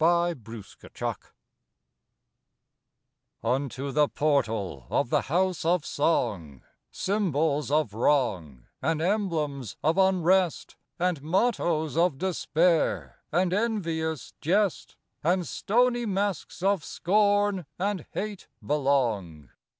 THE HOUSE OF SONG Unto the portal of the House of Song, Symbols of wrong and emblems of unrest, And mottoes of despair and envious jest, And stony masks of scorn and hate belong.